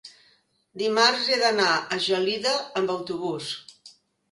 dimarts he d'anar a Gelida amb autobús.